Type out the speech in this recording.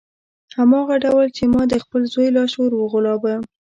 هماغه ډول چې ما د خپل زوی لاشعور وغولاوه